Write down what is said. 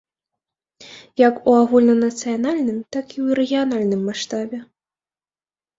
Як у агульнанацыянальным, так і ў рэгіянальным маштабе.